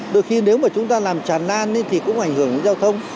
đôi khi nếu mà chúng ta làm tràn lan thì cũng ảnh hưởng đến giao thông